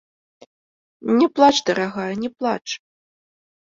Не плач, дарагая, не плач.